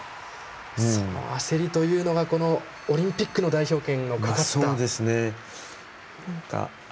その焦りというのがオリンピックの代表権がかかっているから。